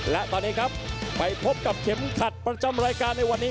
และตอนนี้ครับไปพบกับเข็มขัดประจำรายการในวันนี้